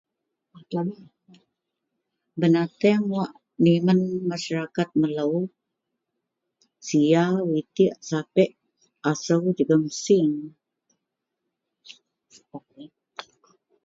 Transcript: Benateng wak nimen masyarakat melo siaw, itek, sapek, asou jegum sieng.